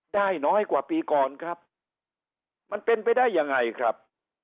น้อยกว่าปีก่อนครับมันเป็นไปได้ยังไงครับ